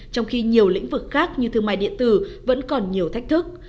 trong khi nhiều lĩnh vực khác như thương mại điện tử vẫn còn nhiều thách thức